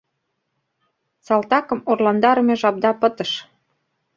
- Салтакым орландарыме жапда пытыш.